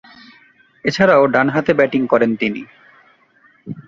এছাড়াও ডানহাতে ব্যাটিং করেন তিনি।